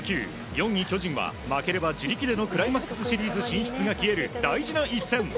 ４位巨人は負ければ自力でのクライマックスシリーズ進出が消える大事な一戦。